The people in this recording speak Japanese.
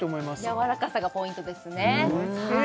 やわらかさがポイントですねおいしい！